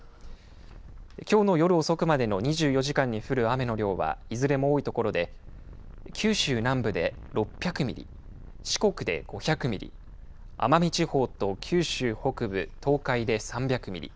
きょうの夜遅くまでの２４時間に降る雨の量はいずれも多い所で九州南部で６００ミリ四国で５００ミリ奄美地方と九州北部東海で３００ミリ